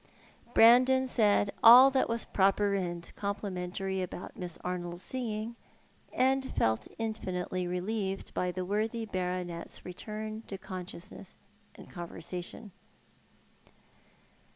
Brandon said all that was proper and complimentary about Miss Arnold's singing, and felt infinitely relieved by the worthy Baronet's return to consciousness and conversation.